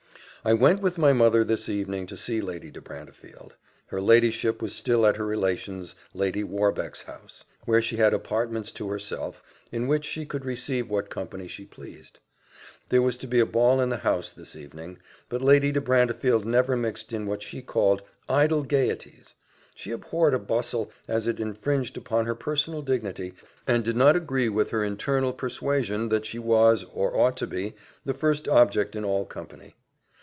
I went with my mother this evening to see Lady de Brantefield; her ladyship was still at her relation's, Lady Warbeck's house, where she had apartments to herself, in which she could receive what company she pleased. There was to be a ball in the house this evening, but Lady de Brantefield never mixed in what she called idle gaieties; she abhorred a bustle, as it infringed upon her personal dignity, and did not agree with her internal persuasion that she was, or ought to be, the first object in all company.